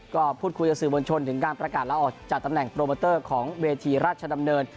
ก็พูดคุยกับสื่อมวลชนถึงการประกาศลาออกจากตำแหน่งโปรโมเตอร์ของเวทีราชดำเนิน